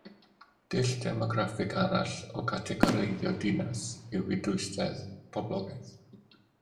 Dull demograffig arall o gategoreiddio dinas yw ei dwysedd poblogaeth